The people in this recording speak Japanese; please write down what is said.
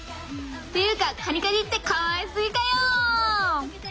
っていうかカニカニってかわいすぎかよ！